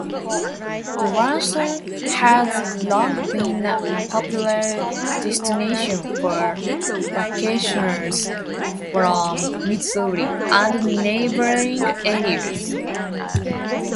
Branson has long been a popular destination for vacationers from Missouri and neighboring areas.